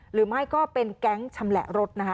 หรือไม่ก็เป็นแก๊งชำแหละรถนะคะ